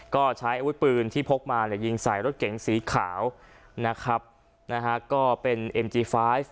ก็ใช้อาวุธปืนที่พกมาเนี่ยยิงใส่รถเก๋งสีขาวนะครับนะฮะก็เป็นเอ็มจีไฟล์